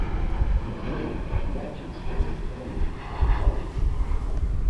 He played matches for his army battalion.